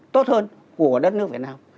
tốt hơn của đất nước việt nam